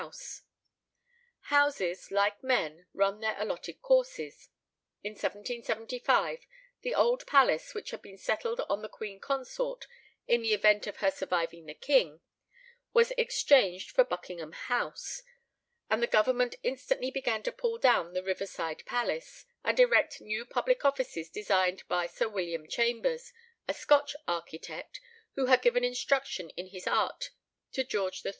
Houses, like men, run their allotted courses. In 1775 the old palace, which had been settled on the queen consort in the event of her surviving the king, was exchanged for Buckingham House; and the Government instantly began to pull down the river side palace, and erect new public offices designed by Sir William Chambers, a Scotch architect, who had given instruction in his art to George III.